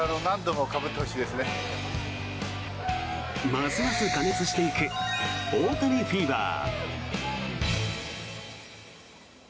ますます過熱していく大谷フィーバー。